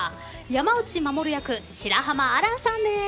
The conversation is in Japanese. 山内守役の白濱亜嵐です。